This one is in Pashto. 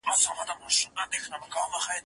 هغه څوک چي ليک لولي پوهه اخلي؟!